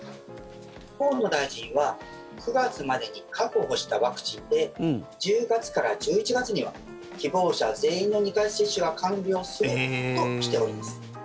河野大臣は９月までに確保したワクチンで１０月から１１月には希望者全員の２回接種が完了するとしております。